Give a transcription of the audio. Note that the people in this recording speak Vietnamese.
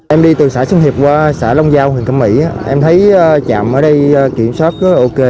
em đi từ xã xuân hiệp qua xã long giao huyện cẩm mỹ em thấy trạm ở đây kiểm soát cứa ok